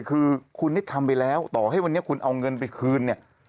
คือคุณได้ทำไปแล้วต่อให้วันนี้คุณเอาเงินไปคืนเนี่ย